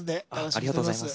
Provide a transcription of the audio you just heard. ありがとうございます。